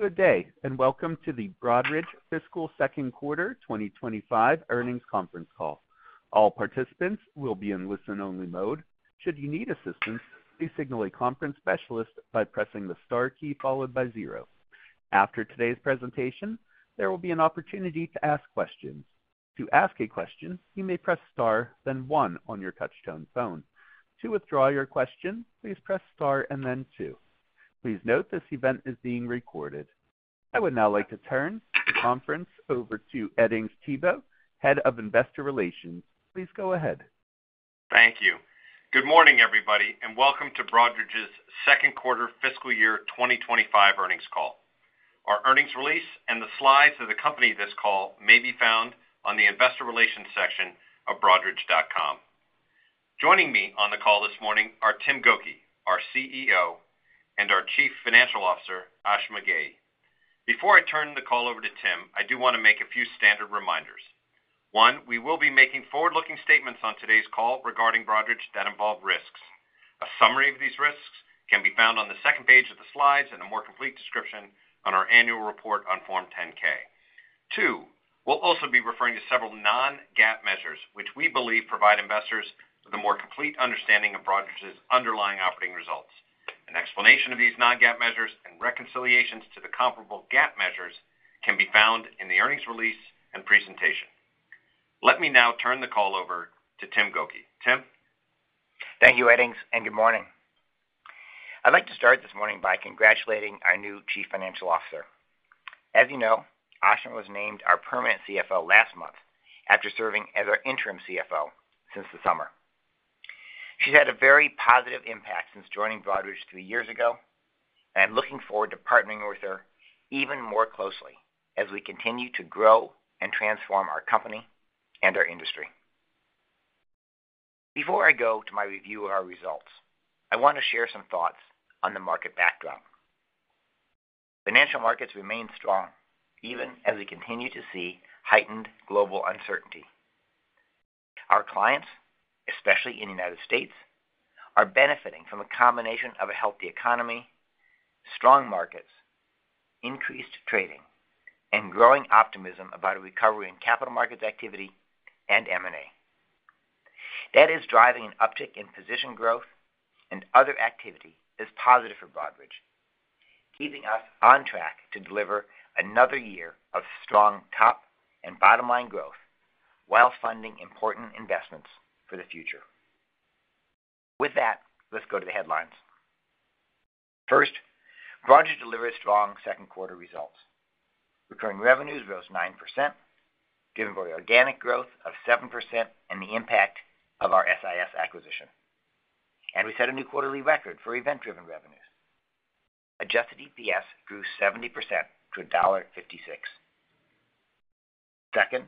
Good day, and welcome to the Broadridge Fiscal Second Quarter 2025 earnings conference call. All participants will be in listen-only mode. Should you need assistance, please signal a conference specialist by pressing the star key followed by zero. After today's presentation, there will be an opportunity to ask questions. To ask a question, you may press star, then one on your touch-tone phone. To withdraw your question, please press star and then two. Please note this event is being recorded. I would now like to turn the conference over to Edings Thibault, Head of Investor Relations. Please go ahead. Thank you. Good morning, everybody, and welcome to Broadridge's Second Quarter Fiscal Year 2025 earnings call. Our earnings release and the slides that accompany this call may be found on the Investor Relations section of broadridge.com. Joining me on the call this morning are Tim Gokey, our CEO, and our Chief Financial Officer, Ashima Ghei. Before I turn the call over to Tim, I do want to make a few standard reminders. One, we will be making forward-looking statements on today's call regarding Broadridge that involve risks. A summary of these risks can be found on the second page of the slides and a more complete description on our annual report on Form 10-K. Two, we'll also be referring to several non-GAAP measures, which we believe provide investors with a more complete understanding of Broadridge's underlying operating results. An explanation of these non-GAAP measures and reconciliations to the comparable GAAP measures can be found in the earnings release and presentation. Let me now turn the call over to Tim Gokey. Tim. Thank you, Edings, and good morning. I'd like to start this morning by congratulating our new Chief Financial Officer. As you know, Ashima was named our permanent CFO last month after serving as our interim CFO since the summer. She's had a very positive impact since joining Broadridge three years ago, and I'm looking forward to partnering with her even more closely as we continue to grow and transform our company and our industry. Before I go to my review of our results, I want to share some thoughts on the market backdrop. Financial markets remain strong even as we continue to see heightened global uncertainty. Our clients, especially in the United States, are benefiting from a combination of a healthy economy, strong markets, increased trading, and growing optimism about a recovery in Capital Markets activity and M&A. That is driving an uptick in position growth and other activity that's positive for Broadridge, keeping us on track to deliver another year of strong top and bottom-line growth while funding important investments for the future. With that, let's go to the headlines. First, Broadridge delivered strong second-quarter results. Recurring revenues rose 9%, given by organic growth of 7% and the impact of our SIS acquisition. And we set a new quarterly record for event-driven revenues. Adjusted EPS grew 70% to $1.56. Second,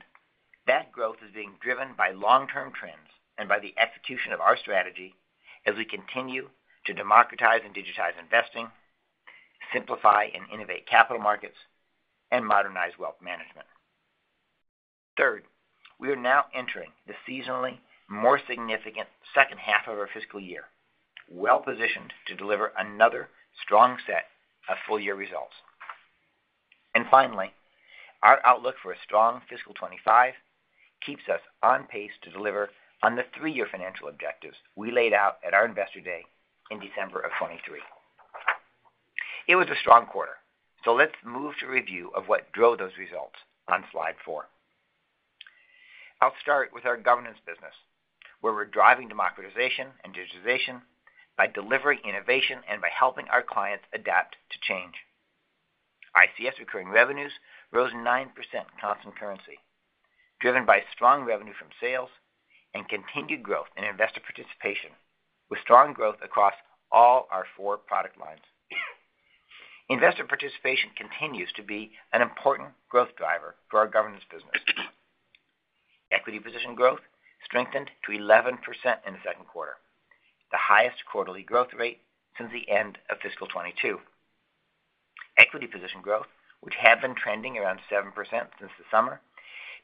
that growth is being driven by long-term trends and by the execution of our strategy as we continue to democratize and digitize investing, simplify and innovate Capital Markets, and modernize wealth management. Third, we are now entering the seasonally more significant second half of our fiscal year, well-positioned to deliver another strong set of full-year results. And finally, our outlook for a strong fiscal 2025 keeps us on pace to deliver on the three-year financial objectives we laid out at our investor day in December of 2023. It was a strong quarter, so let's move to review of what drove those results on slide four. I'll start with our governance business, where we're driving democratization and digitization by delivering innovation and by helping our clients adapt to change. ICS recurring revenues rose 9% in constant currency, driven by strong revenue from sales and continued growth in investor participation, with strong growth across all our four product lines. Investor participation continues to be an important growth driver for our governance business. Equity position growth strengthened to 11% in the second quarter, the highest quarterly growth rate since the end of fiscal 2022. Equity position growth, which had been trending around 7% since the summer,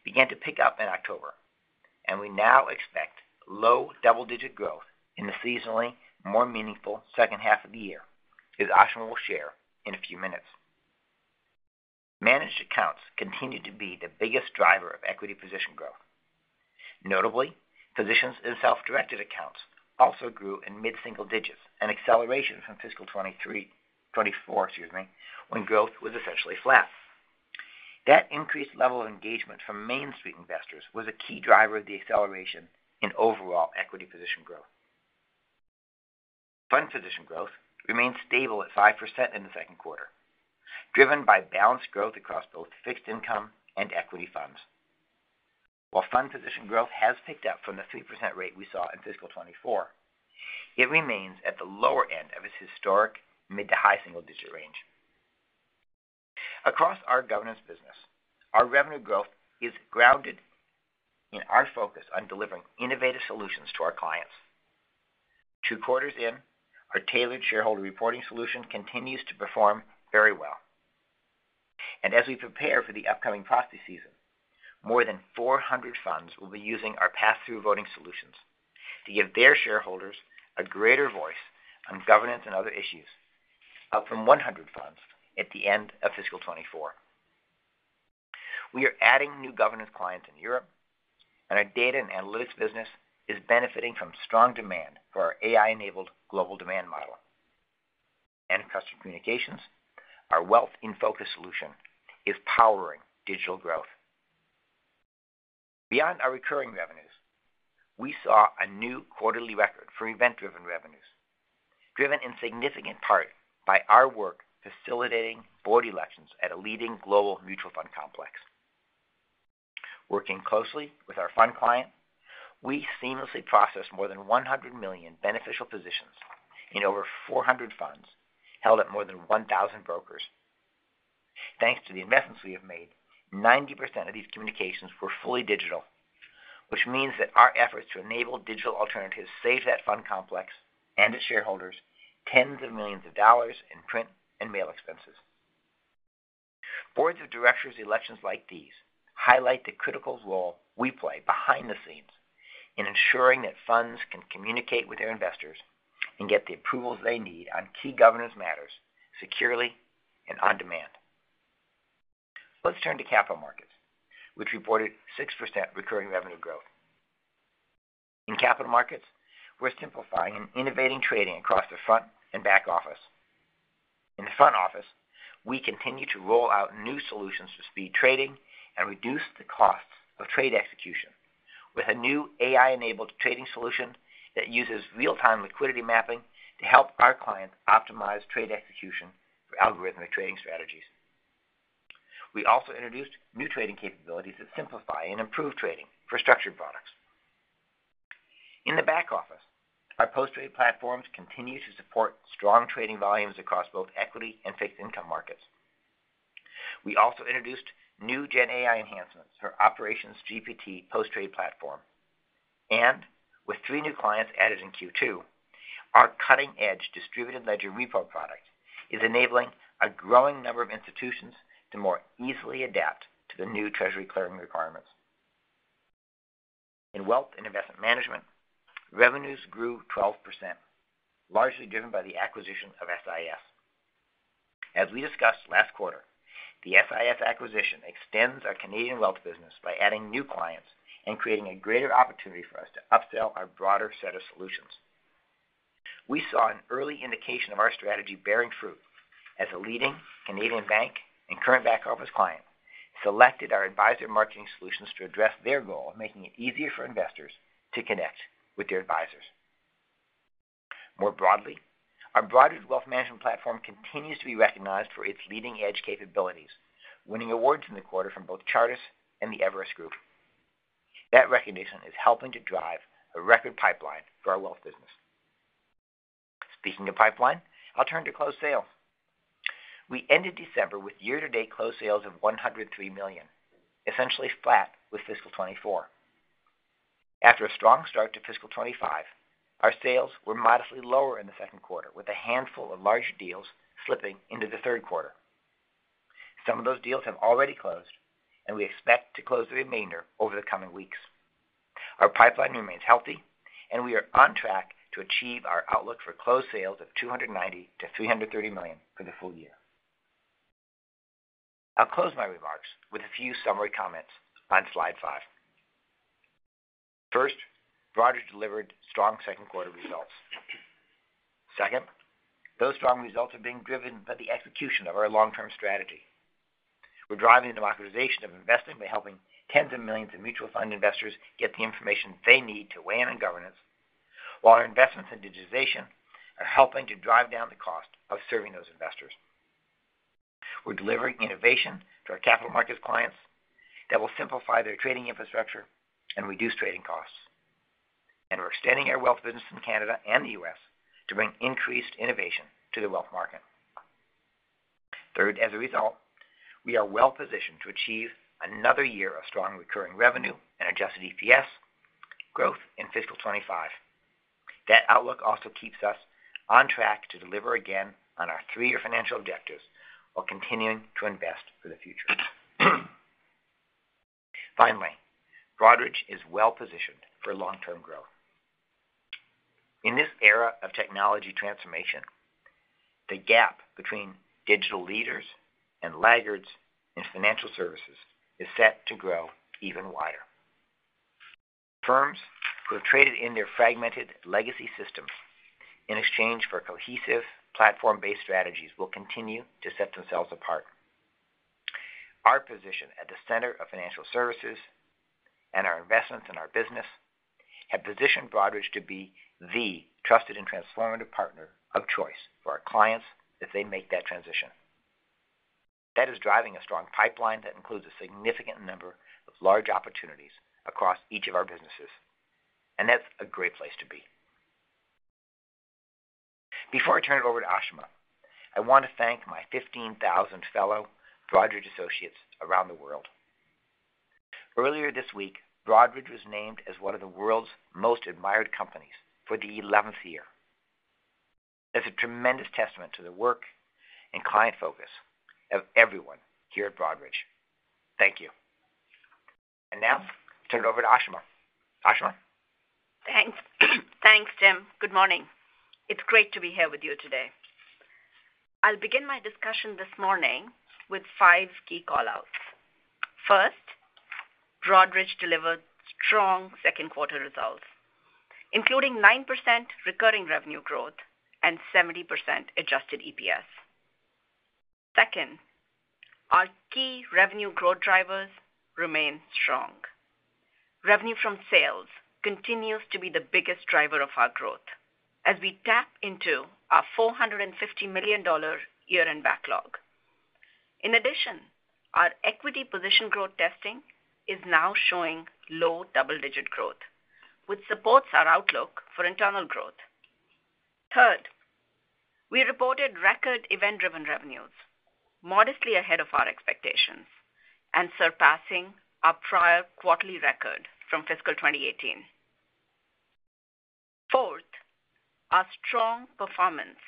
began to pick up in October, and we now expect low double-digit growth in the seasonally more meaningful second half of the year, as Ashima will share in a few minutes. Managed accounts continue to be the biggest driver of equity position growth. Notably, positions in self-directed accounts also grew in mid-single digits, an acceleration from fiscal 2024, excuse me, when growth was essentially flat. That increased level of engagement from mainstream investors was a key driver of the acceleration in overall equity position growth. Fund position growth remained stable at 5% in the second quarter, driven by balanced growth across both fixed income and equity funds. While fund position growth has picked up from the 3% rate we saw in fiscal 2024, it remains at the lower end of its historic mid-to-high single-digit range. Across our governance business, our revenue growth is grounded in our focus on delivering innovative solutions to our clients. Two quarters in, our Tailored Shareholder Reporting solution continues to perform very well. As we prepare for the upcoming proxy season, more than 400 funds will be using our Pass-Through Voting solutions to give their shareholders a greater voice on governance and other issues, up from 100 funds at the end of fiscal 2024. We are adding new governance clients in Europe, and our data and analytics business is benefiting from strong demand for our AI-enabled Global Demand Model. Customer Communications, our Wealth In Focus solution, is powering digital growth. Beyond our recurring revenues, we saw a new quarterly record for event-driven revenues, driven in significant part by our work facilitating board elections at a leading global mutual fund complex. Working closely with our fund client, we seamlessly processed more than 100 million beneficial positions in over 400 funds held at more than 1,000 brokers. Thanks to the investments we have made, 90% of these communications were fully digital, which means that our efforts to enable digital alternatives save that fund complex and its shareholders tens of millions of dollars in print and mail expenses. Boards of Directors elections like these highlight the critical role we play behind the scenes in ensuring that funds can communicate with their investors and get the approvals they need on key governance matters securely and on demand. Let's turn to Capital Markets, which reported 6% recurring revenue growth. In Capital Markets, we're simplifying and innovating trading across the front and back office. In the front office, we continue to roll out new solutions to speed trading and reduce the costs of trade execution, with a new AI-enabled trading solution that uses real-time liquidity mapping to help our clients optimize trade execution for algorithmic trading strategies. We also introduced new trading capabilities that simplify and improve trading for structured products. In the back office, our post-trade platforms continue to support strong trading volumes across both equity and fixed income markets. We also introduced new Gen AI enhancements for OpsGPT post-trade platform. And with three new clients added in Q2, our cutting-edge Distributed Ledger Repo product is enabling a growing number of institutions to more easily adapt to the new treasury clearing requirements. In Wealth and Investment Management, revenues grew 12%, largely driven by the acquisition of SIS. As we discussed last quarter, the SIS acquisition extends our Canadian wealth business by adding new clients and creating a greater opportunity for us to upsell our broader set of solutions. We saw an early indication of our strategy bearing fruit as a leading Canadian bank and current back office client selected our Advisor Marketing solutions to address their goal of making it easier for investors to connect with their advisors. More broadly, our Broadridge Wealth Management Platform continues to be recognized for its leading-edge capabilities, winning awards in the quarter from both Chartis and the Everest Group. That recognition is helping to drive a record pipeline for our wealth business. Speaking of pipeline, I'll turn to closed sales. We ended December with year-to-date closed sales of $103 million, essentially flat with fiscal 2024. After a strong start to fiscal '25, our sales were modestly lower in the second quarter, with a handful of larger deals slipping into the third quarter. Some of those deals have already closed, and we expect to close the remainder over the coming weeks. Our pipeline remains healthy, and we are on track to achieve our outlook for closed sales of $290-330 million for the full year. I'll close my remarks with a few summary comments on slide five. First, Broadridge delivered strong second-quarter results. Second, those strong results are being driven by the execution of our long-term strategy. We're driving the democratization of investing by helping tens of millions of mutual fund investors get the information they need to weigh in on governance, while our investments in digitization are helping to drive down the cost of serving those investors. We're delivering innovation to our capital markets clients that will simplify their trading infrastructure and reduce trading costs. We're extending our wealth business in Canada and the U.S. to bring increased innovation to the wealth market. Third, as a result, we are well-positioned to achieve another year of strong recurring revenue and adjusted EPS growth in fiscal 2025. That outlook also keeps us on track to deliver again on our three-year financial objectives while continuing to invest for the future. Finally, Broadridge is well-positioned for long-term growth. In this era of technology transformation, the gap between digital leaders and laggards in financial services is set to grow even wider. Firms who have traded in their fragmented legacy systems in exchange for cohesive platform-based strategies will continue to set themselves apart. Our position at the center of financial services and our investments in our business have positioned Broadridge to be the trusted and transformative partner of choice for our clients as they make that transition. That is driving a strong pipeline that includes a significant number of large opportunities across each of our businesses, and that's a great place to be. Before I turn it over to Ashima, I want to thank my 15,000 fellow Broadridge associates around the world. Earlier this week, Broadridge was named as one of the world's most admired companies for the 11th year. That's a tremendous testament to the work and client focus of everyone here at Broadridge. Thank you. And now, turn it over to Ashima. Ashima? Thanks. Thanks, Tim. Good morning. It's great to be here with you today. I'll begin my discussion this morning with five key callouts. First, Broadridge delivered strong second-quarter results, including 9% recurring revenue growth and 70% adjusted EPS. Second, our key revenue growth drivers remain strong. Revenue from sales continues to be the biggest driver of our growth as we tap into our $450 million year-end backlog. In addition, our equity position growth testing is now showing low double-digit growth, which supports our outlook for internal growth. Third, we reported record event-driven revenues, modestly ahead of our expectations and surpassing our prior quarterly record from fiscal 2018. Fourth, our strong performance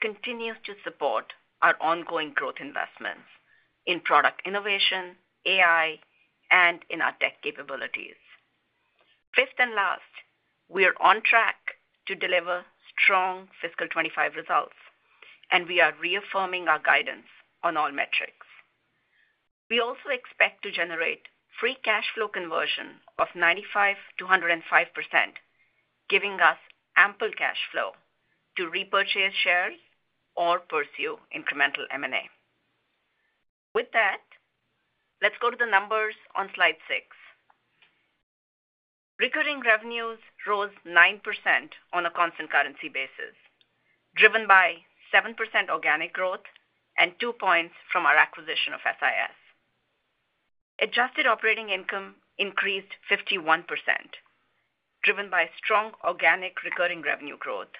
continues to support our ongoing growth investments in product innovation, AI, and in our tech capabilities. Fifth and last, we are on track to deliver strong fiscal 2025 results, and we are reaffirming our guidance on all metrics. We also expect to generate free cash flow conversion of 95%-105%, giving us ample cash flow to repurchase shares or pursue incremental M&A. With that, let's go to the numbers on slide six. Recurring revenues rose 9% on a constant currency basis, driven by 7% organic growth and two points from our acquisition of SIS. Adjusted operating income increased 51%, driven by strong organic recurring revenue growth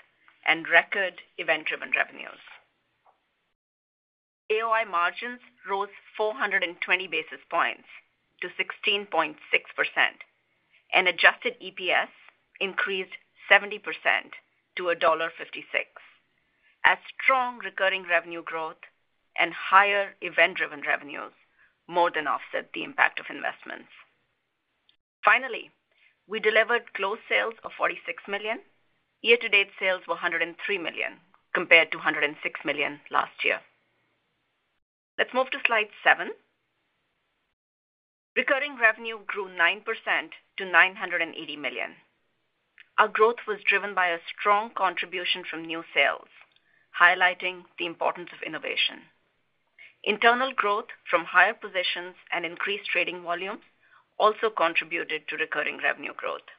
and record event-driven revenues. AOI margins rose 420 basis points to 16.6%, and adjusted EPS increased 70% to $1.56. As strong recurring revenue growth and higher event-driven revenues more than offset the impact of investments. Finally, we delivered closed sales of $46 million. Year-to-date sales were $103 million compared to $106 million last year. Let's move to slide seven. Recurring revenue grew 9% to $980 million. Our growth was driven by a strong contribution from new sales, highlighting the importance of innovation. Internal growth from higher positions and increased trading volumes also contributed to recurring revenue growth.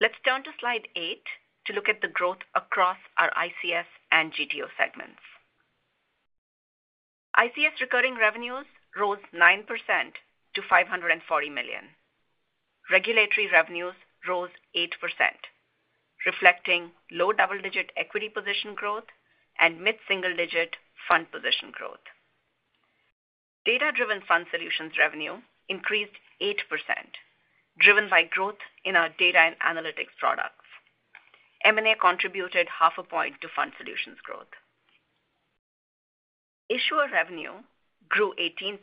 Let's turn to slide eight to look at the growth across our ICS and GTO segments. ICS recurring revenues rose 9% to $540 million. Regulatory revenues rose 8%, reflecting low double-digit equity position growth and mid-single-digit fund position growth. Data-Driven Fund Solutions revenue increased 8%, driven by growth in our data and analytics products. M&A contributed 0.5 point to fund solutions growth. Issuer revenue grew 18%,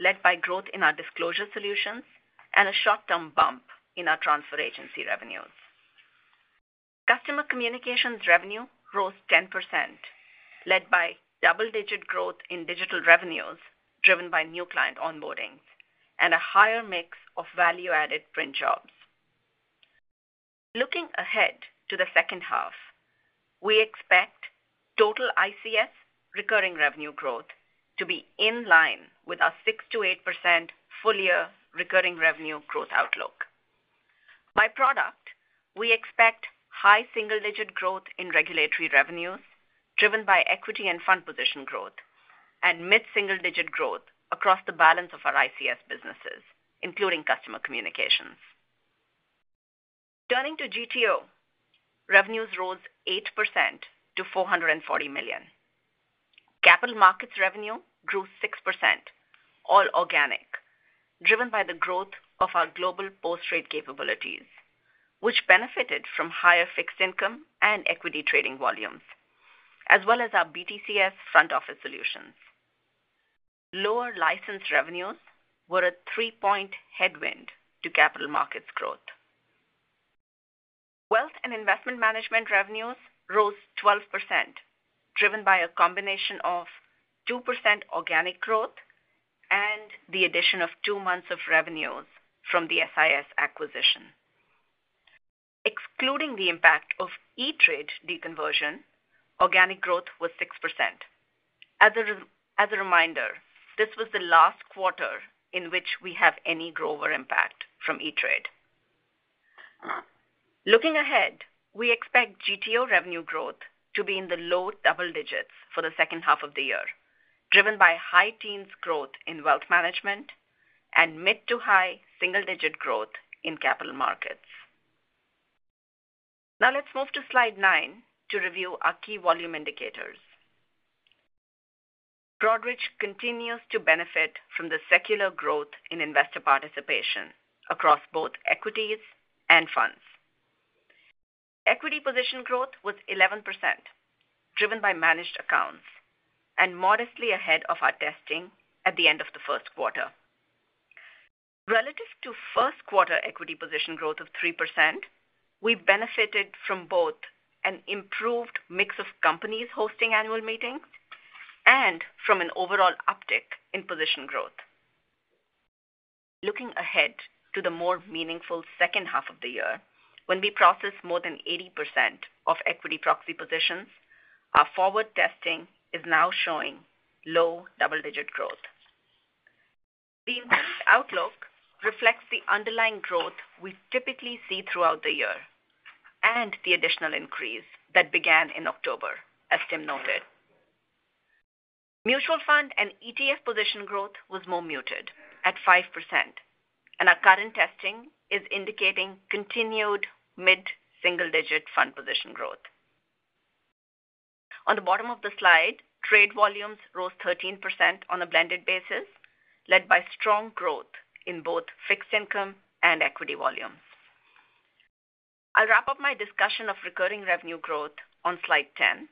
led by growth in our disclosure solutions and a short-term bump in our transfer agency revenues. Customer Communications revenue rose 10%, led by double-digit growth in digital revenues driven by new client onboardings and a higher mix of value-added print jobs. Looking ahead to the second half, we expect total ICS recurring revenue growth to be in line with our 6%-8% full-year recurring revenue growth outlook. By product, we expect high single-digit growth in Regulatory revenues driven by equity and fund position growth and mid-single-digit growth across the balance of our ICS businesses, including Customer Communications. Turning to GTO, revenues rose 8% to $440 million. Capital markets revenue grew 6%, all organic, driven by the growth of our global post-trade capabilities, which benefited from higher fixed income and equity trading volumes, as well as our BTCS front office solutions. Lower license revenues were a three-point headwind to capital markets growth. Wealth and investment Management revenues rose 12%, driven by a combination of 2% organic growth and the addition of two months of revenues from the SIS acquisition. Excluding the impact of E*TRADE deconversion, organic growth was 6%. As a reminder, this was the last quarter in which we have any deconversion impact from E*TRADE. Looking ahead, we expect GTO revenue growth to be in the low double digits for the second half of the year, driven by high teens growth in wealth management and mid to high single-digit growth in capital markets. Now, let's move to slide nine to review our key volume indicators. Broadridge continues to benefit from the secular growth in investor participation across both equities and funds. Equity position growth was 11%, driven by managed accounts and modestly ahead of our estimate at the end of the first quarter. Relative to first quarter equity position growth of 3%, we benefited from both an improved mix of companies hosting annual meetings and from an overall uptick in position growth. Looking ahead to the more meaningful second half of the year, when we processed more than 80% of equity proxy positions, our forward testing is now showing low double-digit growth. The improved outlook reflects the underlying growth we typically see throughout the year and the additional increase that began in October, as Tim noted. Mutual fund and ETF position growth was more muted at 5%, and our current testing is indicating continued mid-single-digit fund position growth. On the bottom of the slide, trade volumes rose 13% on a blended basis, led by strong growth in both fixed income and equity volumes. I'll wrap up my discussion of recurring revenue growth on slide 10.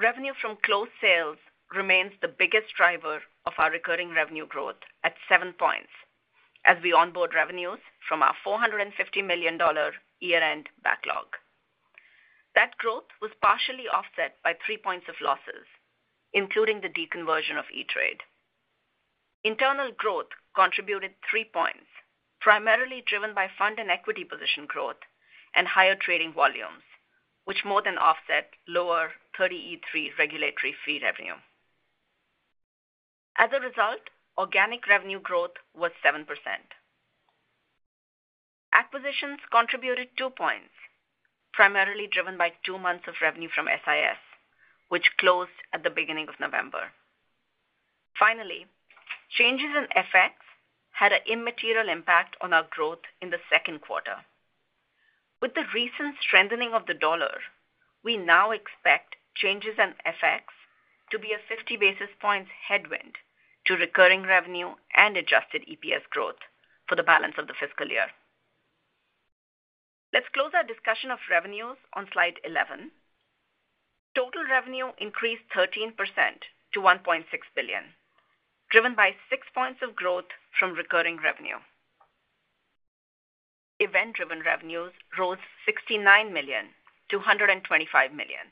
Revenue from closed sales remains the biggest driver of our recurring revenue growth at seven points as we onboard revenues from our $450 million year-end backlog. That growth was partially offset by three points of losses, including the deconversion of E*TRADE. Internal growth contributed three points, primarily driven by fund and equity position growth and higher trading volumes, which more than offset lower 30e-3 regulatory fee revenue. As a result, organic revenue growth was 7%. Acquisitions contributed two points, primarily driven by two months of revenue from SIS, which closed at the beginning of November. Finally, changes in FX had an immaterial impact on our growth in the second quarter. With the recent strengthening of the dollar, we now expect changes in FX to be a 50 basis points headwind to recurring revenue and adjusted EPS growth for the balance of the fiscal year. Let's close our discussion of revenues on slide 11. Total revenue increased 13% to $1.6 billion, driven by six points of growth from recurring revenue. Event-driven revenues rose $69 million to $125 million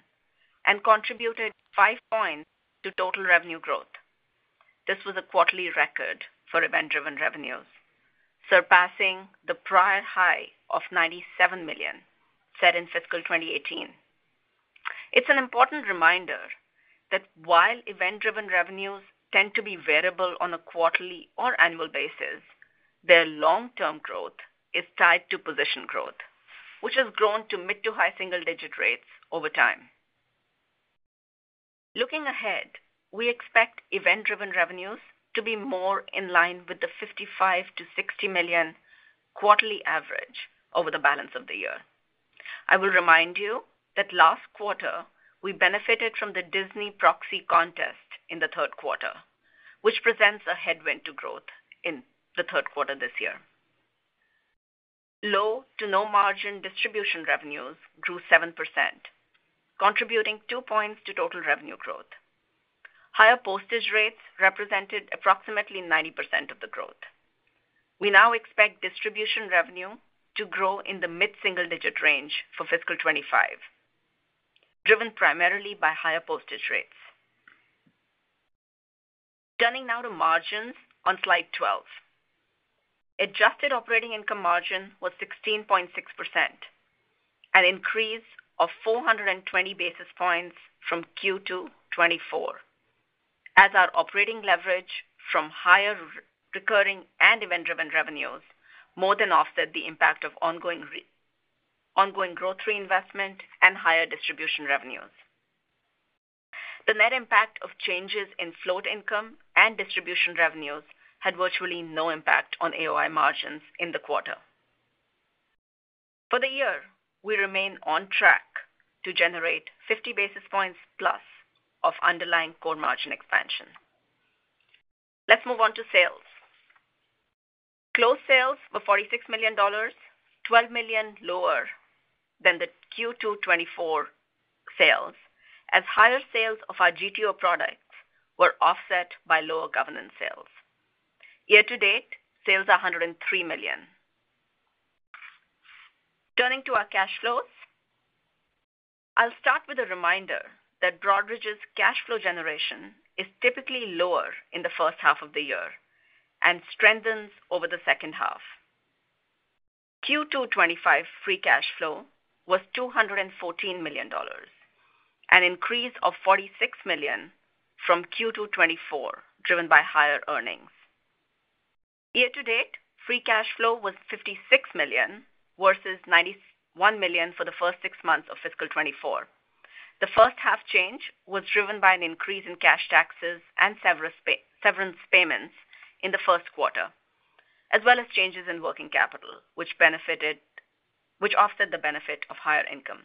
and contributed five points to total revenue growth. This was a quarterly record for event-driven revenues, surpassing the prior high of $97 million set in fiscal 2018. It's an important reminder that while event-driven revenues tend to be variable on a quarterly or annual basis, their long-term growth is tied to position growth, which has grown to mid to high single-digit rates over time. Looking ahead, we expect event-driven revenues to be more in line with the $55 million-$60 million quarterly average over the balance of the year. I will remind you that last quarter, we benefited from the Disney Proxy contest in the third quarter, which presents a headwind to growth in the third quarter this year. Low to no margin distribution revenues grew 7%, contributing two points to total revenue growth. Higher postage rates represented approximately 90% of the growth. We now expect distribution revenue to grow in the mid-single-digit range for fiscal 2025, driven primarily by higher postage rates. Turning now to margins on slide 12. Adjusted operating income margin was 16.6%, an increase of 420 basis points from Q2 2024, as our operating leverage from higher recurring and event-driven revenues more than offset the impact of ongoing growth reinvestment and higher distribution revenues. The net impact of changes in float income and distribution revenues had virtually no impact on AOI margins in the quarter. For the year, we remain on track to generate 50 basis points plus of underlying core margin expansion. Let's move on to sales. Closed sales were $46 million, $12 million lower than the Q2 2024 sales, as higher sales of our GTO products were offset by lower governance sales. Year-to-date, sales are $103 million. Turning to our cash flows, I'll start with a reminder that Broadridge's cash flow generation is typically lower in the first half of the year and strengthens over the second half. Q2 2025 free cash flow was $214 million, an increase of $46 million from Q2 2024, driven by higher earnings. Year-to-date, free cash flow was $56 million versus $91 million for the first six months of fiscal 2024. The first half change was driven by an increase in cash taxes and severance payments in the first quarter, as well as changes in working capital, which offset the benefit of higher income.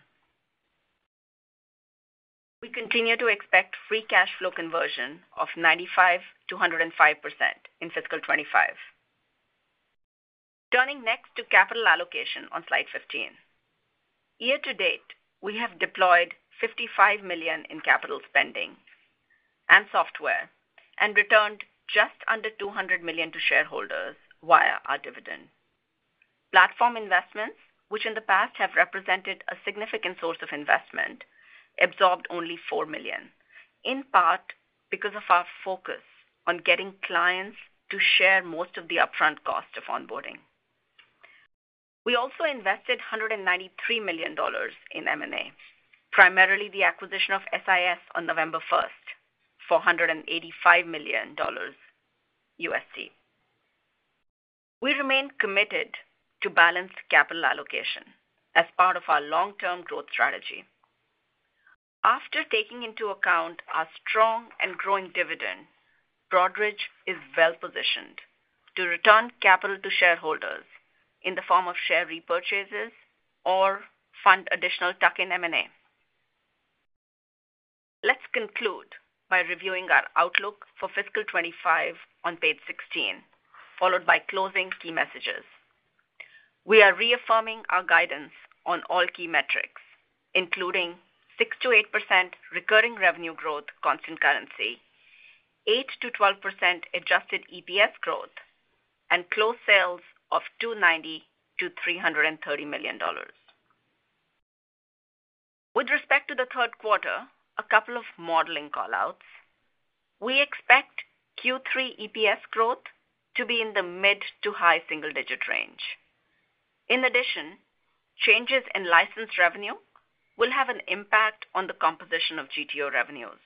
We continue to expect free cash flow conversion of 95%-105% in fiscal 2025. Turning next to capital allocation on slide 15. Year-to-date, we have deployed $55 million in capital spending and software and returned just under $200 million to shareholders via our dividend. Platform investments, which in the past have represented a significant source of investment, absorbed only $4 million, in part because of our focus on getting clients to share most of the upfront cost of onboarding. We also invested $193 million in M&A, primarily the acquisition of SIS on November 1st, $485 million. We remain committed to balanced capital allocation as part of our long-term growth strategy. After taking into account our strong and growing dividend, Broadridge is well-positioned to return capital to shareholders in the form of share repurchases or fund additional tuck-in M&A. Let's conclude by reviewing our outlook for fiscal 2025 on page 16, followed by closing key messages. We are reaffirming our guidance on all key metrics, including 6%-8% recurring revenue growth, constant currency, 8%-12% adjusted EPS growth, and closed sales of $290-$330 million. With respect to the third quarter, a couple of modeling callouts. We expect Q3 EPS growth to be in the mid to high single-digit range. In addition, changes in license revenue will have an impact on the composition of GTO revenues,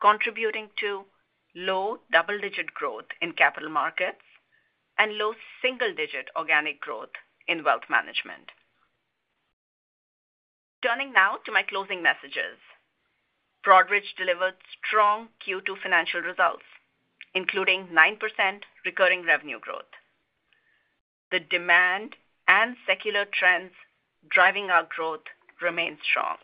contributing to low double-digit growth in capital markets and low single-digit organic growth in wealth management. Turning now to my closing messages. Broadridge delivered strong Q2 financial results, including 9% recurring revenue growth. The demand and secular trends driving our growth remain strong.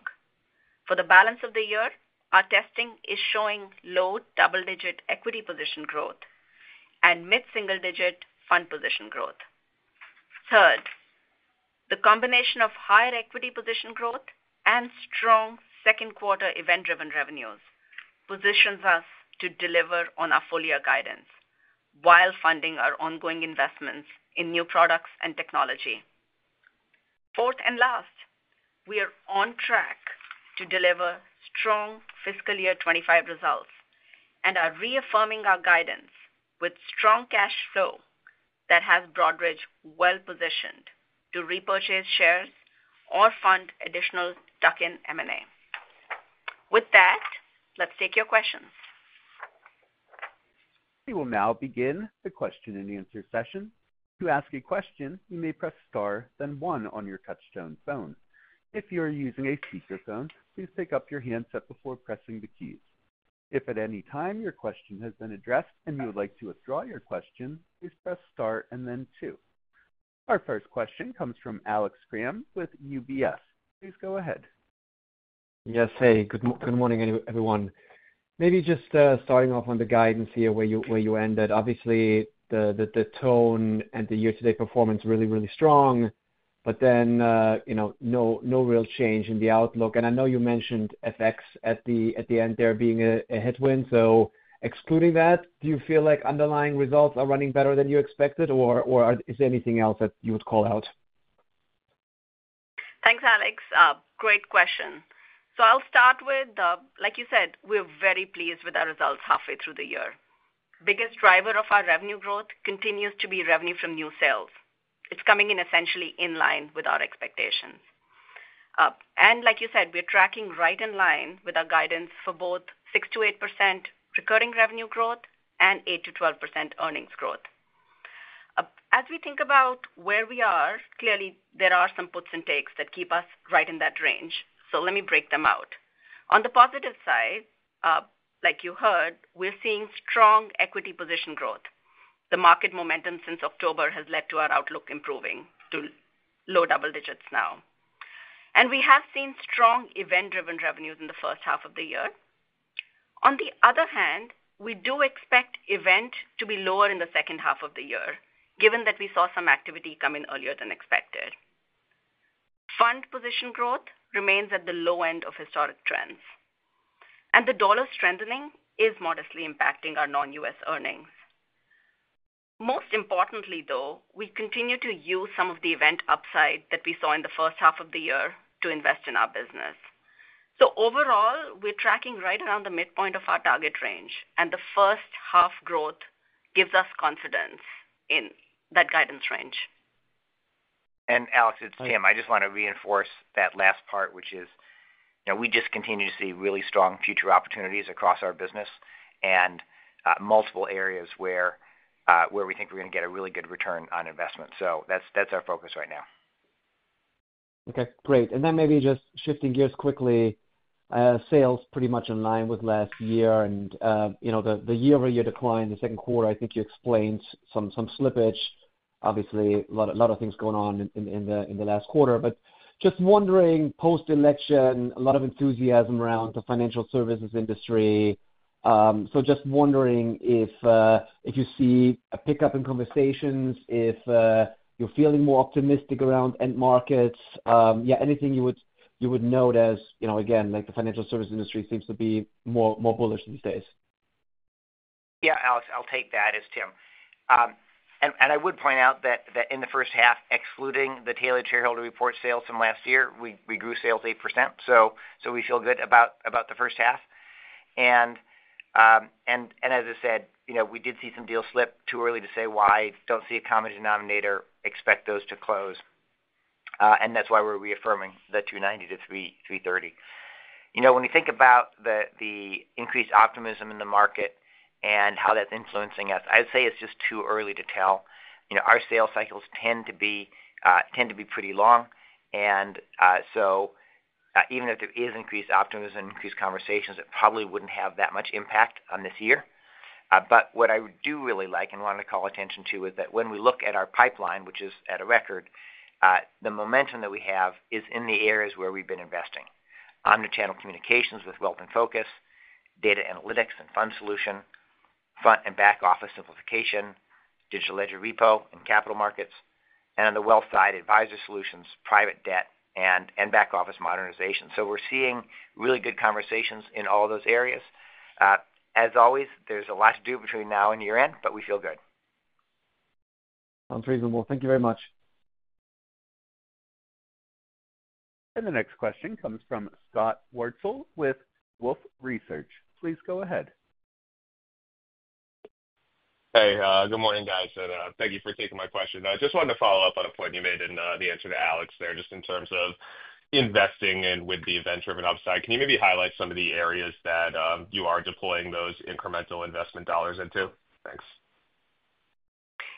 For the balance of the year, our testing is showing low double-digit equity position growth and mid-single-digit fund position growth. Third, the combination of higher equity position growth and strong second quarter event-driven revenues positions us to deliver on our four-year guidance while funding our ongoing investments in new products and technology. Fourth and last, we are on track to deliver strong fiscal year 2025 results and are reaffirming our guidance with strong cash flow that has Broadridge well-positioned to repurchase shares or fund additional tuck-in M&A. With that, let's take your questions. We will now begin the question-and-answer session. To ask a question, you may press star, then one on your touch-tone phone. If you are using a speakerphone, please pick up your handset before pressing the keys. If at any time your question has been addressed and you would like to withdraw your question, please press star and then two. Our first question comes from Alex Kramm with UBS. Please go ahead. Yes, hey, good morning, everyone. Maybe just starting off on the guidance here where you ended. Obviously, the tone and the year-to-date performance really, really strong, but then no real change in the outlook. And I know you mentioned FX at the end there being a headwind. So excluding that, do you feel like underlying results are running better than you expected, or is there anything else that you would call out? Thanks, Alex. Great question. So I'll start with, like you said, we're very pleased with our results halfway through the year. The biggest driver of our revenue growth continues to be revenue from new sales. It's coming in essentially in line with our expectations. And like you said, we're tracking right in line with our guidance for both 6%-8% recurring revenue growth and 8%-12% earnings growth. As we think about where we are, clearly, there are some puts and takes that keep us right in that range. So let me break them out. On the positive side, like you heard, we're seeing strong equity position growth. The market momentum since October has led to our outlook improving to low double digits now, and we have seen strong event-driven revenues in the first half of the year. On the other hand, we do expect event to be lower in the second half of the year, given that we saw some activity come in earlier than expected. Fund position growth remains at the low end of historic trends, and the dollar strengthening is modestly impacting our non-US earnings. Most importantly, though, we continue to use some of the event upside that we saw in the first half of the year to invest in our business, so overall, we're tracking right around the midpoint of our target range, and the first half growth gives us confidence in that guidance range. And Alex, it's Tim. I just want to reinforce that last part, which is we just continue to see really strong future opportunities across our business and multiple areas where we think we're going to get a really good return on investment. So that's our focus right now. Okay, great. And then maybe just shifting gears quickly, sales pretty much in line with last year. And the year-over-year decline in the second quarter, I think you explained some slippage. Obviously, a lot of things going on in the last quarter. But just wondering, post-election, a lot of enthusiasm around the financial services industry. So just wondering if you see a pickup in conversations, if you're feeling more optimistic around end markets. Yeah, anything you would note as, again, the financial services industry seems to be more bullish these days? Yeah, Alex, I'll take that as Tim. And I would point out that in the first half, excluding the Tailored Shareholder Report sales from last year, we grew sales 8%. So we feel good about the first half. And as I said, we did see some deals slip, too early to say why. Don't see a common denominator. Expect those to close. And that's why we're reaffirming the 290-330. When you think about the increased optimism in the market and how that's influencing us, I'd say it's just too early to tell. Our sales cycles tend to be pretty long. And so even if there is increased optimism, increased conversations, it probably wouldn't have that much impact on this year. But what I would really like and want to call attention to is that when we look at our pipeline, which is at a record, the momentum that we have is in the areas where we've been investing: omnichannel communications with Wealth InFocus, data analytics and fund solution, front and back office simplification, Distributed Ledger Repo and Capital Markets, and on the wealth side, advisor solutions, private debt, and back office modernization. So we're seeing really good conversations in all those areas. As always, there's a lot to do between now and year-end, but we feel good. Sounds reasonable. Thank you very much. And the next question comes from Scott Wurtzel with Wolfe Research. Please go ahead. Hey, good morning, guys. And thank you for taking my question. I just wanted to follow up on a point you made in the answer to Alex there, just in terms of investing and with the event-driven upside. Can you maybe highlight some of the areas that you are deploying those incremental investment dollars into? Thanks.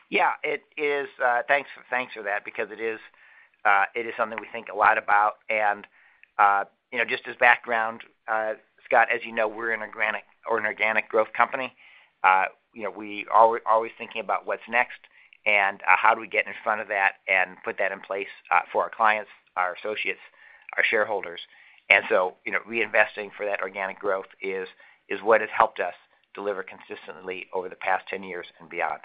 Yeah, thanks for that because it is something we think a lot about, and just as background, Scott, as you know, we're an organic growth company. We are always thinking about what's next and how do we get in front of that and put that in place for our clients, our associates, our shareholders, and so reinvesting for that organic growth is what has helped us deliver consistently over the past 10 years and beyond,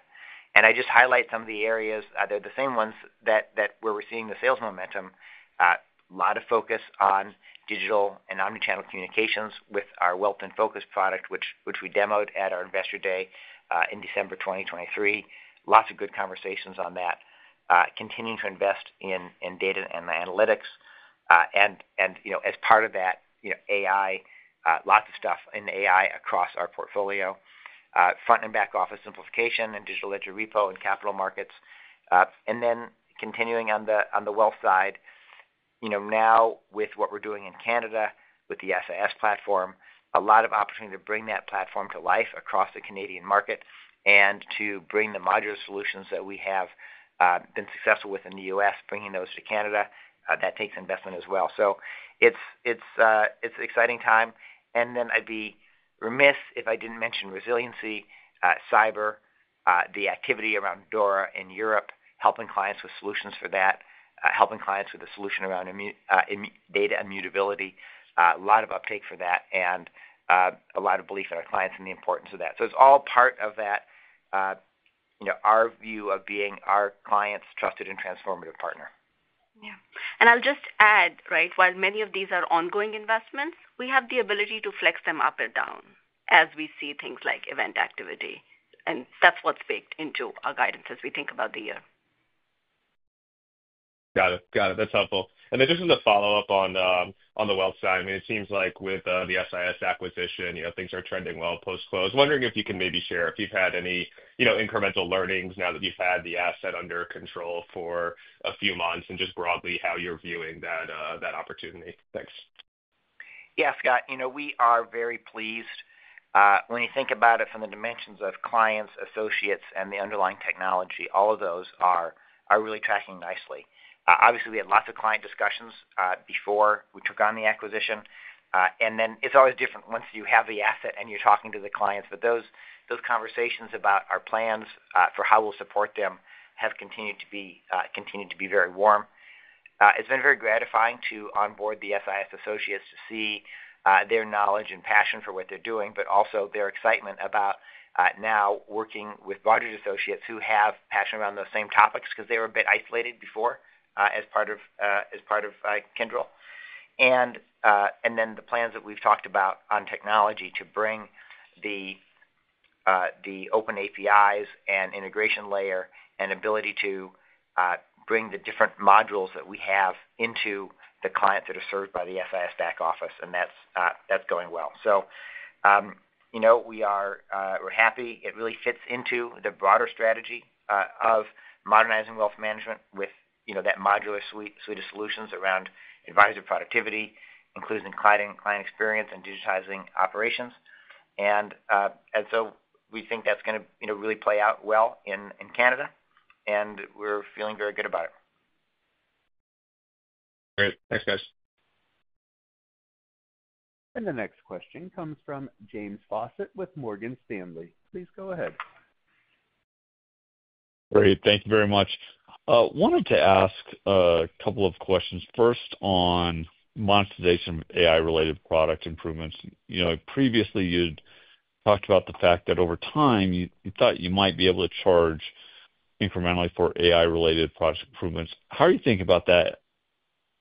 and I just highlight some of the areas. They're the same ones where we're seeing the sales momentum. A lot of focus on digital and omnichannel communications with our Wealth InFocus product, which we demoed at our investor day in December 2023. Lots of good conversations on that. Continuing to invest in data and analytics. And as part of that, AI, lots of stuff in AI across our portfolio. Front and back office simplification and Distributed Ledger Repo and Capital Markets. And then continuing on the wealth side, now with what we're doing in Canada with the SIS platform, a lot of opportunity to bring that platform to life across the Canadian market and to bring the modular solutions that we have been successful with in the U.S., bringing those to Canada. That takes investment as well. So it's an exciting time. And then I'd be remiss if I didn't mention resiliency, cyber, the activity around DORA in Europe, helping clients with solutions for that, helping clients with a solution around data immutability. A lot of uptake for that and a lot of belief in our clients and the importance of that. So it's all part of our view of being our client's trusted and transformative partner. Yeah. And I'll just add, right, while many of these are ongoing investments, we have the ability to flex them up and down as we see things like event activity. And that's what's baked into our guidance as we think about the year. Got it. Got it. That's helpful. And then just as a follow-up on the wealth side, I mean, it seems like with the SIS acquisition, things are trending well post-close. Wondering if you can maybe share if you've had any incremental learnings now that you've had the asset under control for a few months and just broadly how you're viewing that opportunity? Thanks. Yeah, Scott, we are very pleased. When you think about it from the dimensions of clients, associates, and the underlying technology, all of those are really tracking nicely. Obviously, we had lots of client discussions before we took on the acquisition. Then it's always different once you have the asset and you're talking to the clients. But those conversations about our plans for how we'll support them have continued to be very warm. It's been very gratifying to onboard the SIS associates to see their knowledge and passion for what they're doing, but also their excitement about now working with Broadridge associates who have passion around those same topics because they were a bit isolated before as part of Kyndryl. And then the plans that we've talked about on technology to bring the open APIs and integration layer and ability to bring the different modules that we have into the clients that are served by the SIS back office. And that's going well. So we're happy. It really fits into the broader strategy of modernizing wealth management with that modular suite of solutions around advisor productivity, including client experience and digitizing operations. And so we think that's going to really play out well in Canada. And we're feeling very good about it. Great. Thanks, guys. The next question comes from James Faucette with Morgan Stanley. Please go ahead. Great. Thank you very much. I wanted to ask a couple of questions. First, on monetization of AI-related product improvements. Previously, you'd talked about the fact that over time, you thought you might be able to charge incrementally for AI-related product improvements. How are you thinking about that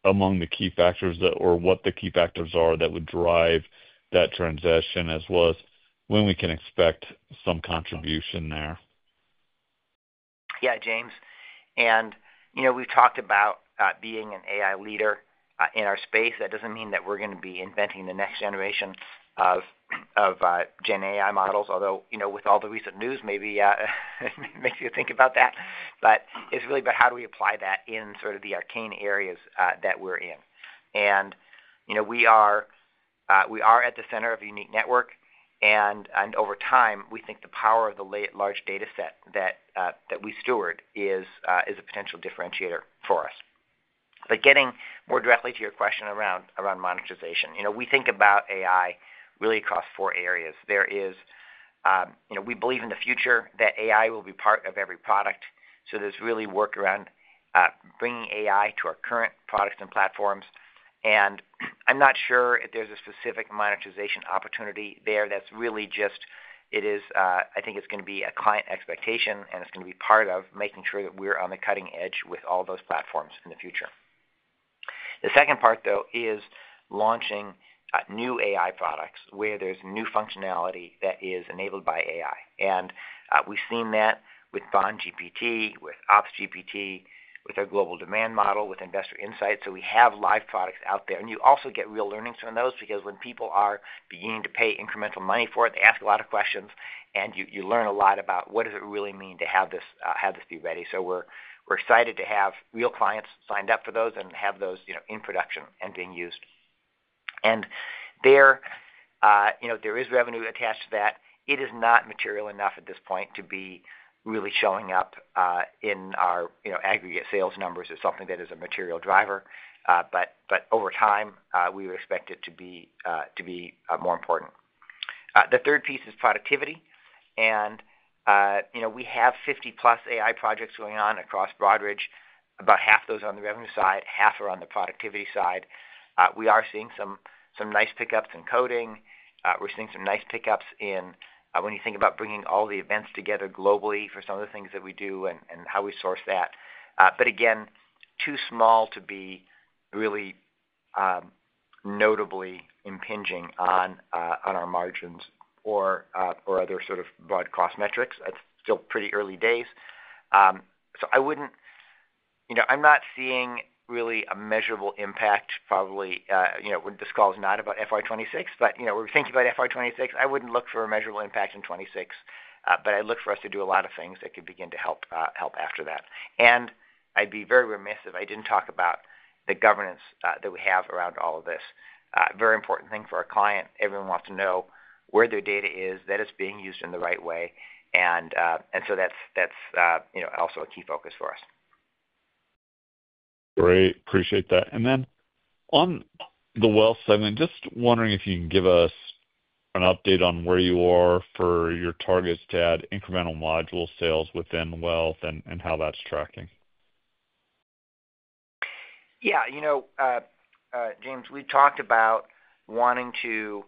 among the key factors or what the key factors are that would drive that transition, as well as when we can expect some contribution there? Yeah, James. And we've talked about being an AI leader in our space. That doesn't mean that we're going to be inventing the next generation of Gen AI models, although with all the recent news, maybe it makes you think about that. But it's really about how do we apply that in sort of the arcane areas that we're in. And we are at the center of a unique network. And over time, we think the power of the large dataset that we steward is a potential differentiator for us. But getting more directly to your question around monetization, we think about AI really across four areas. There is we believe in the future that AI will be part of every product. So there's really work around bringing AI to our current products and platforms. And I'm not sure if there's a specific monetization opportunity there that's really just it is I think it's going to be a client expectation, and it's going to be part of making sure that we're on the cutting edge with all those platforms in the future. The second part, though, is launching new AI products where there's new functionality that is enabled by AI. And we've seen that with BondGPT, with OpsGPT, with our Global Demand Model, with Investor Insights. So we have live products out there. And you also get real learnings from those because when people are beginning to pay incremental money for it, they ask a lot of questions, and you learn a lot about what does it really mean to have this be ready. So we're excited to have real clients signed up for those and have those in production and being used. And there is revenue attached to that. It is not material enough at this point to be really showing up in our aggregate sales numbers as something that is a material driver. But over time, we expect it to be more important. The third piece is productivity. And we have 50-plus AI projects going on across Broadridge. About half of those are on the revenue side, half are on the productivity side. We are seeing some nice pickups in coding. We're seeing some nice pickups in when you think about bringing all the events together globally for some of the things that we do and how we source that. But again, too small to be really notably impinging on our margins or other sort of broad cross metrics. It's still pretty early days. So I wouldn't. I'm not seeing really a measurable impact, probably when this call is not about FY26, but we're thinking about FY26. I wouldn't look for a measurable impact in 2026, but I look for us to do a lot of things that could begin to help after that, and I'd be very remiss if I didn't talk about the governance that we have around all of this. Very important thing for our client. Everyone wants to know where their data is, that it's being used in the right way. And so that's also a key focus for us. Great. Appreciate that. And then on the wealth side, I'm just wondering if you can give us an update on where you are for your targets to add incremental module sales within wealth and how that's tracking. Yeah. James, we talked about wanting to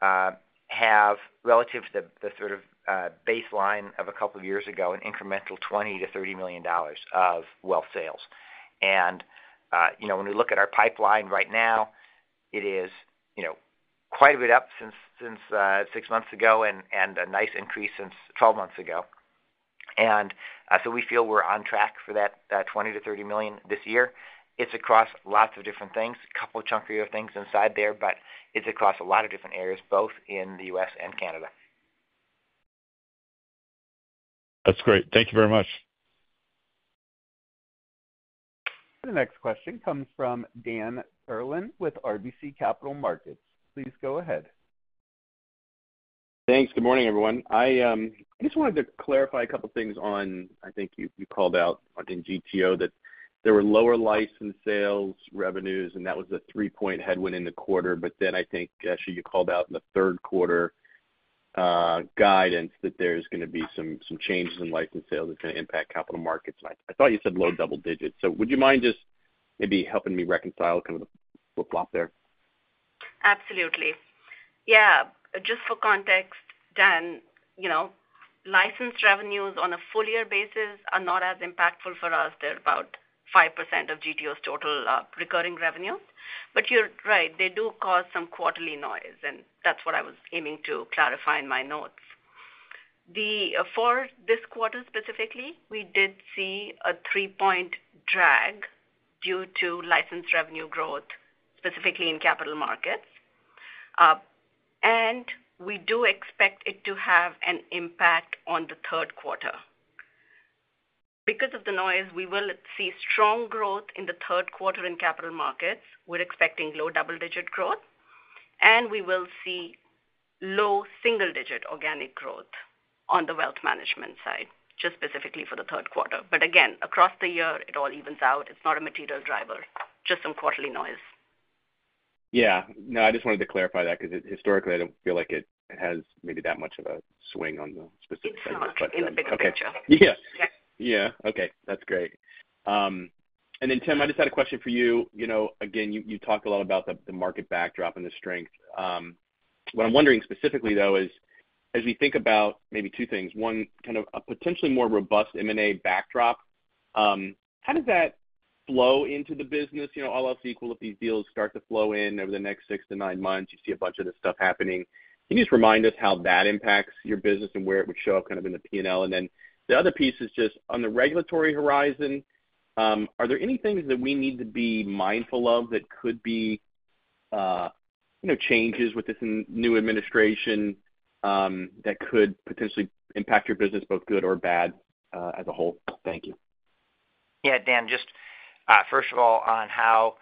have relative to the sort of baseline of a couple of years ago, an incremental $20 million-$30 million of wealth sales. And when we look at our pipeline right now, it is quite a bit up since six months ago and a nice increase since 12 months ago. And so we feel we're on track for that $20 million-$30 million this year. It's across lots of different things, a couple of chunkier things inside there, but it's across a lot of different areas, both in the U.S. and Canada. That's great. Thank you very much. And the next question comes from Dan Perlin with RBC Capital Markets. Please go ahead. Thanks. Good morning, everyone. I just wanted to clarify a couple of things on, I think you called out in GTO that there were lower license sales revenues, and that was a three-point headwind in the quarter. But then I think, actually, you called out in the third quarter guidance that there's going to be some changes in license sales that's going to impact Capital Markets. And I thought you said low double digits. So would you mind just maybe helping me reconcile kind of the flip-flop there? Absolutely. Yeah. Just for context, Dan, license revenues on a full-year basis are not as impactful for us. They're about 5% of GTO's total recurring revenue, but you're right. They do cause some quarterly noise, and that's what I was aiming to clarify in my notes. For this quarter specifically, we did see a three-point drag due to license revenue growth, specifically in Capital Markets, and we do expect it to have an impact on the third quarter. Because of the noise, we will see strong growth in the third quarter in Capital Markets. We're expecting low double-digit growth, and we will see low single-digit organic growth on the wealth management side, just specifically for the third quarter, but again, across the year, it all evens out. It's not a material driver, just some quarterly noise. Yeah. No, I just wanted to clarify that because historically, I don't feel like it has maybe that much of a swing on the specific segment. In the big picture. Yeah. Yeah. Okay. That's great. And then, Tim, I just had a question for you. Again, you talked a lot about the market backdrop and the strength. What I'm wondering specifically, though, is as we think about maybe two things, one, kind of a potentially more robust M&A backdrop, how does that flow into the business? All else equal, if these deals start to flow in over the next six to nine months, you see a bunch of this stuff happening. Can you just remind us how that impacts your business and where it would show up kind of in the P&L? And then the other piece is just on the regulatory horizon. Are there any things that we need to be mindful of that could be changes with this new administration that could potentially impact your business, both good or bad, as a whole? Thank you. Yeah, Dan, just first of all, on how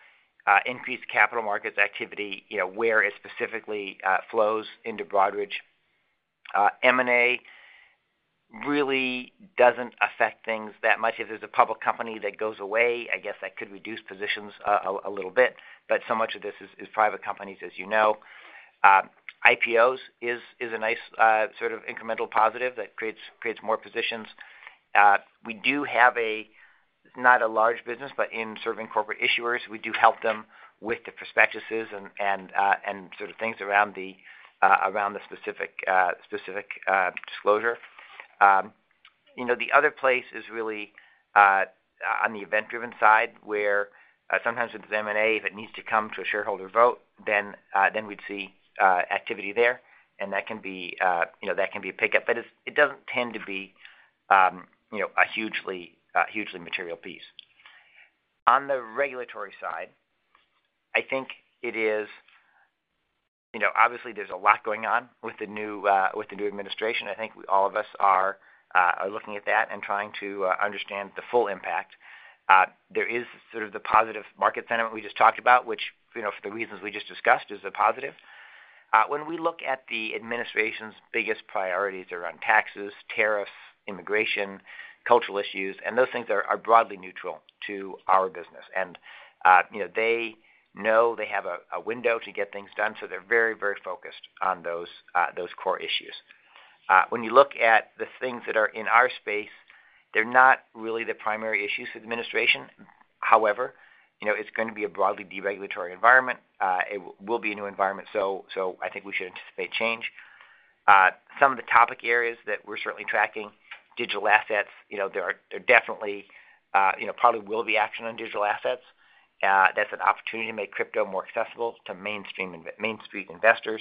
increased capital markets activity, where it specifically flows into Broadridge, M&A really doesn't affect things that much. If there's a public company that goes away, I guess that could reduce positions a little bit. But so much of this is private companies, as you know. IPOs is a nice sort of incremental positive that creates more positions. We do have a not a large business, but in serving corporate issuers, we do help them with the prospectuses and sort of things around the specific disclosure. The other place is really on the event-driven side, where sometimes with the M&A, if it needs to come to a shareholder vote, then we'd see activity there. And that can be a pickup. But it doesn't tend to be a hugely material piece. On the regulatory side, I think it is obviously. There's a lot going on with the new administration. I think all of us are looking at that and trying to understand the full impact. There is sort of the positive market sentiment we just talked about, which for the reasons we just discussed is a positive. When we look at the administration's biggest priorities around taxes, tariffs, immigration, cultural issues, and those things are broadly neutral to our business. And they know they have a window to get things done, so they're very, very focused on those core issues. When you look at the things that are in our space, they're not really the primary issues for the administration. However, it's going to be a broadly deregulatory environment. It will be a new environment, so I think we should anticipate change. Some of the topic areas that we're certainly tracking, digital assets, there definitely probably will be action on digital assets. That's an opportunity to make crypto more accessible to mainstream investors,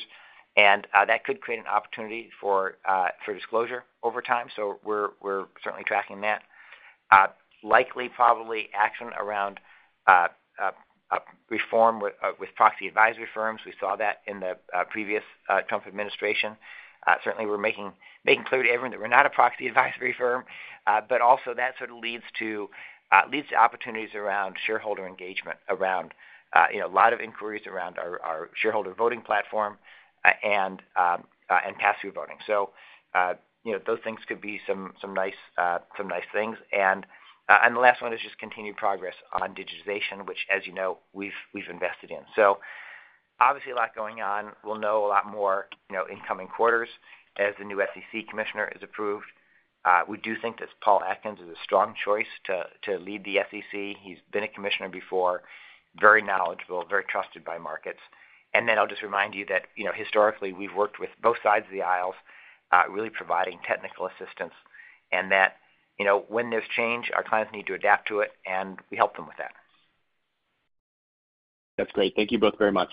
and that could create an opportunity for disclosure over time, so we're certainly tracking that. Likely, probably action around reform with proxy advisory firms. We saw that in the previous Trump administration. Certainly, we're making clear to everyone that we're not a proxy advisory firm, but also, that sort of leads to opportunities around shareholder engagement, around a lot of inquiries around our shareholder voting platform and pass-through voting, so those things could be some nice things. And the last one is just continued progress on digitization, which, as you know, we've invested in. So obviously, a lot going on. We'll know a lot more in coming quarters as the new SEC Commissioner is approved. We do think that Paul Atkins is a strong choice to lead the SEC. He's been a commissioner before, very knowledgeable, very trusted by markets. And then I'll just remind you that historically, we've worked with both sides of the aisle, really providing technical assistance. And that when there's change, our clients need to adapt to it, and we help them with that. That's great. Thank you both very much.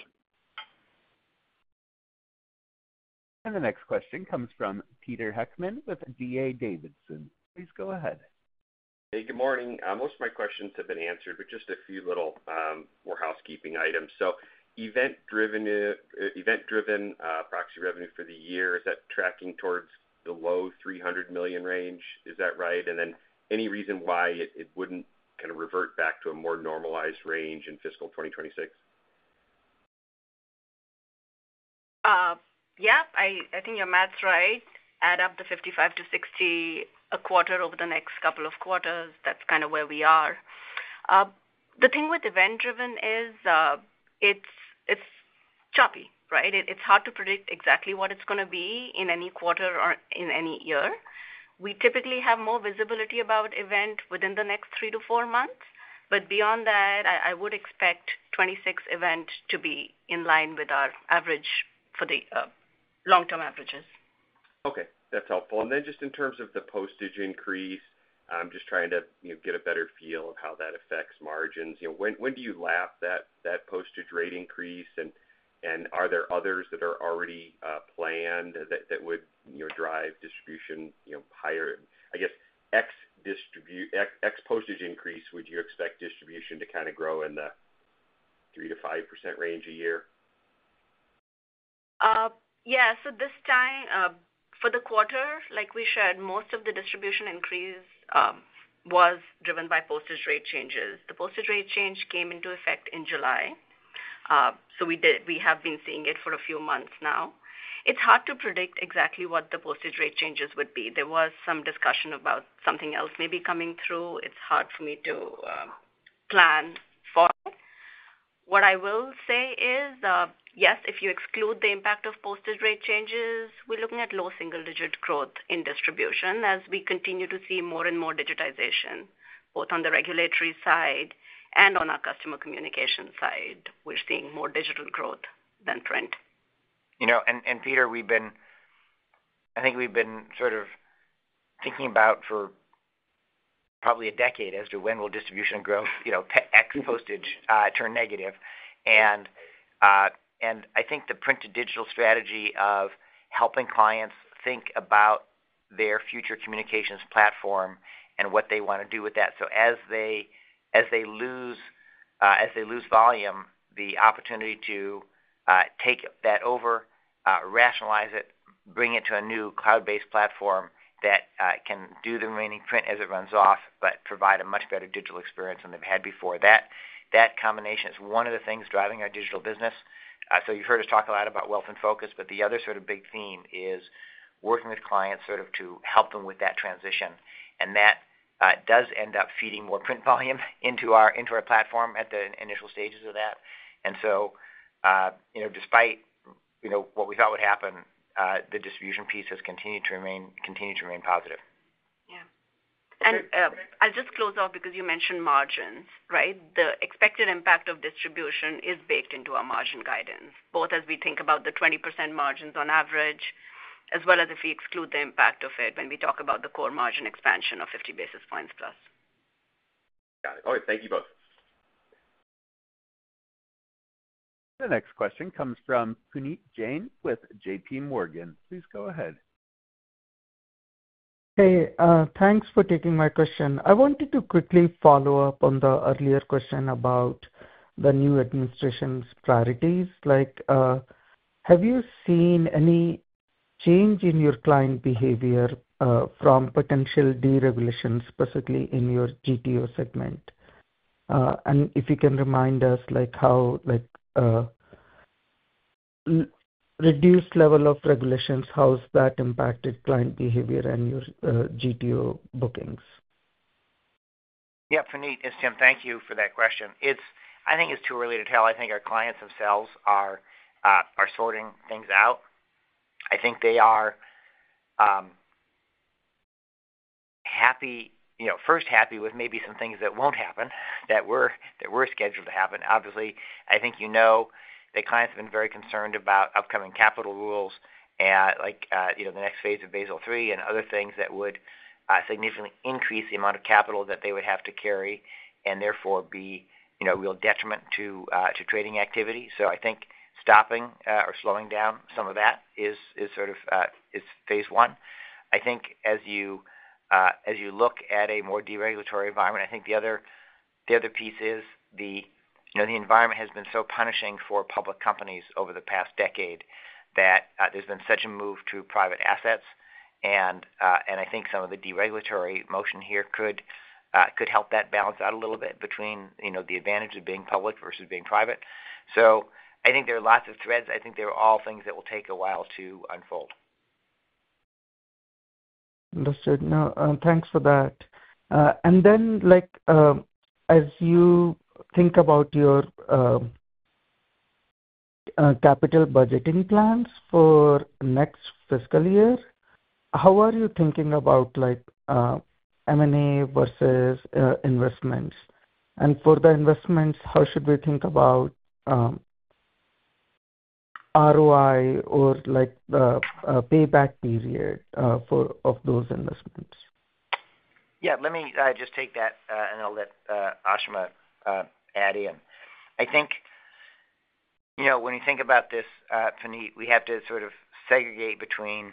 And the next question comes from Peter Heckmann with D.A. Davidson. Please go ahead. Hey, good morning. Most of my questions have been answered, but just a few little more housekeeping items. So event-driven proxy revenue for the year, is that tracking towards the low $300 million range? Is that right? And then any reason why it wouldn't kind of revert back to a more normalized range in fiscal 2026? Yeah. I think your math's right. Add up the $55 million-$60 million a quarter over the next couple of quarters. That's kind of where we are. The thing with event-driven is it's choppy, right? It's hard to predict exactly what it's going to be in any quarter or in any year. We typically have more visibility about event within the next three to four months. But beyond that, I would expect 2026 event to be in line with our average for the long-term averages. Okay. That's helpful. And then just in terms of the postage increase, I'm just trying to get a better feel of how that affects margins. When do you lap that postage rate increase? And are there others that are already planned that would drive distribution higher? I guess next postage increase, would you expect distribution to kind of grow in the 3%-5% range a year? Yeah. So this time, for the quarter, like we shared, most of the distribution increase was driven by postage rate changes. The postage rate change came into effect in July. So we have been seeing it for a few months now. It's hard to predict exactly what the postage rate changes would be. There was some discussion about something else maybe coming through. It's hard for me to plan for it. What I will say is, yes, if you exclude the impact of postage rate changes, we're looking at low single-digit growth in distribution as we continue to see more and more digitization, both on the regulatory side and on our Customer Communication side. We're seeing more digital growth than print. And Peter, I think we've been sort of thinking about for probably a decade as to when will distribution grow, ex postage turn negative. And I think the print-to-digital strategy of helping clients think about their future communications platform and what they want to do with that. So as they lose volume, the opportunity to take that over, rationalize it, bring it to a new cloud-based platform that can do the remaining print as it runs off, but provide a much better digital experience than they've had before. That combination is one of the things driving our digital business. So you've heard us talk a lot about Wealth InFocus, but the other sort of big theme is working with clients sort of to help them with that transition. And that does end up feeding more print volume into our platform at the initial stages of that. And so despite what we thought would happen, the distribution piece has continued to remain positive. Yeah. And I'll just close off because you mentioned margins, right? The expected impact of distribution is baked into our margin guidance, both as we think about the 20% margins on average, as well as if we exclude the impact of it when we talk about the core margin expansion of 50 basis points plus. Got it. All right. Thank you both. The next question comes from Puneet Jain with J.P. Morgan. Please go ahead. Hey, thanks for taking my question. I wanted to quickly follow up on the earlier question about the new administration's priorities. Have you seen any change in your client behavior from potential deregulation, specifically in your GTO segment, and if you can remind us how reduced level of regulations, how has that impacted client behavior and your GTO bookings? Yeah. Puneet, it's Tim, thank you for that question. I think it's too early to tell. I think our clients themselves are sorting things out. I think they are first happy with maybe some things that won't happen that were scheduled to happen. Obviously, I think you know that clients have been very concerned about upcoming capital rules, like the next phase of Basel III and other things that would significantly increase the amount of capital that they would have to carry and therefore be a real detriment to trading activity. So I think stopping or slowing down some of that is sort of phase one. I think as you look at a more deregulatory environment, I think the other piece is the environment has been so punishing for public companies over the past decade that there's been such a move to private assets. And I think some of the deregulatory motion here could help that balance out a little bit between the advantage of being public versus being private. So I think there are lots of threads. I think they're all things that will take a while to unfold. Understood. No, thanks for that. And then as you think about your capital budgeting plans for next fiscal year, how are you thinking about M&A versus investments? And for the investments, how should we think about ROI or the payback period of those investments? Yeah. Let me just take that, and I'll let Ashima add in. I think when you think about this, Puneet, we have to sort of segregate between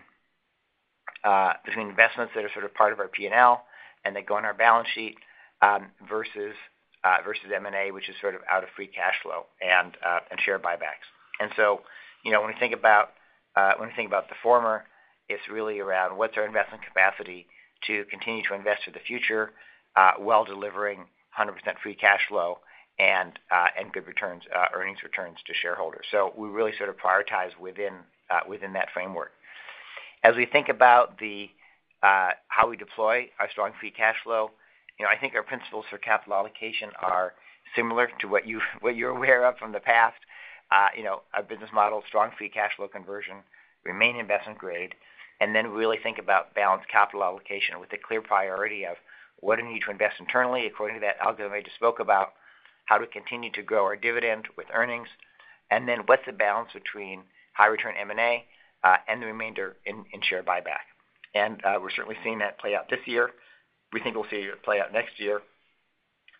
investments that are sort of part of our P&L and that go on our balance sheet versus M&A, which is sort of out of free cash flow and share buybacks, and so when we think about the former, it's really around what's our investment capacity to continue to invest for the future while delivering 100% free cash flow and good earnings returns to shareholders. So we really sort of prioritize within that framework. As we think about how we deploy our strong free cash flow, I think our principles for capital allocation are similar to what you're aware of from the past. Our business model is strong free cash flow conversion, remain investment grade. And then we really think about balanced capital allocation with a clear priority of what do we need to invest internally according to that algorithm I just spoke about, how to continue to grow our dividend with earnings, and then what's the balance between high return M&A and the remainder in share buyback. And we're certainly seeing that play out this year. We think we'll see it play out next year.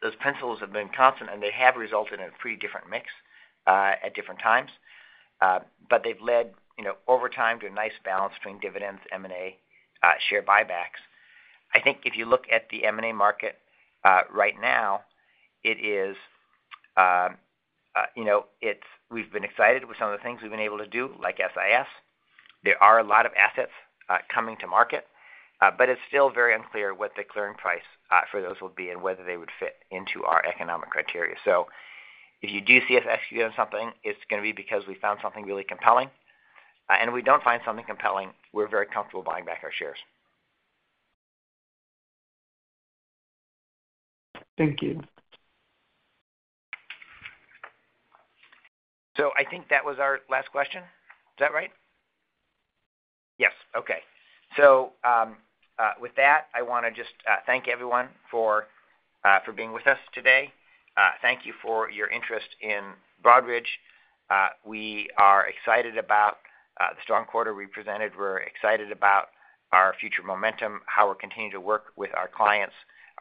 Those principles have been constant, and they have resulted in a pretty different mix at different times. But they've led over time to a nice balance between dividends, M&A, share buybacks. I think if you look at the M&A market right now, it is. We've been excited with some of the things we've been able to do, like SIS. There are a lot of assets coming to market, but it's still very unclear what the clearing price for those will be and whether they would fit into our economic criteria, so if you do see us executing something, it's going to be because we found something really compelling, and if we don't find something compelling, we're very comfortable buying back our shares. Thank you. so I think that was our last question. Is that right? Yes. Okay, so with that, I want to just thank everyone for being with us today. Thank you for your interest in Broadridge. We are excited about the strong quarter we presented. We're excited about our future momentum, how we're continuing to work with our clients,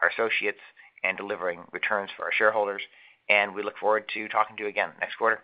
our associates, and delivering returns for our shareholders, and we look forward to talking to you again next quarter.